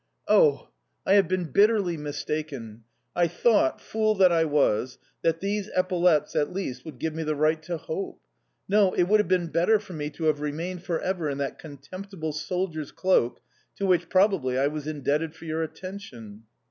"Oh! I have been bitterly mistaken!... I thought, fool that I was, that these epaulettes, at least, would give me the right to hope... No, it would have been better for me to have remained for ever in that contemptible soldier's cloak, to which, probably, I was indebted for your attention"...